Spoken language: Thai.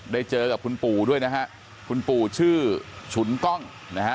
เจอกับคุณปู่ด้วยนะฮะคุณปู่ชื่อฉุนกล้องนะฮะ